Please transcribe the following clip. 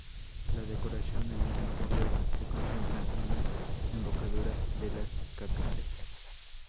La decoración en el interior se concentra en la embocadura de las capillas.